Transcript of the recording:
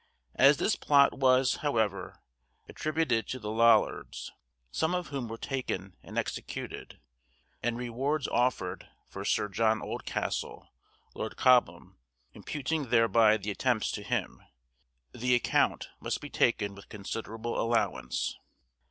As this plot was, however, attributed to the Lollards, some of whom were taken and executed, and rewards offered for Sir John Oldcastle, Lord Cobham, imputing thereby the attempts to him, the account must be taken with considerable allowance.